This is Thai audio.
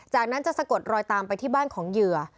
จากนั้นจะสะกดรอยตามไปที่บ้านของเหยื่อ